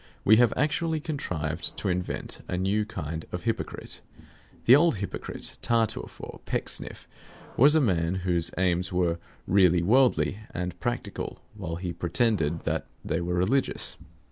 We have actually contrived to invent a new kind of hypocrite. The old hypocrite, Tartuffe or Pecksniff, was a man whose aims were really worldly and practical, while he pretended that they were religious.